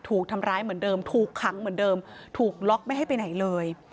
ถูกทำร้ายเหมือนเดิมถูกขังเหมือนเดิมถูกล็อกไม่ให้ไปไหนเลย